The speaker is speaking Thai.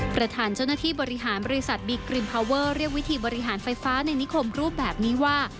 ประธานเจ้าหน้าที่บริหารบริษัทบีกริมพาวเวอร์เรียกวิธีบริหารไฟฟ้าในนิคมรูปแบบนี้ว่า